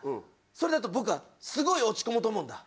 それだと僕は落ち込むと思うんだ。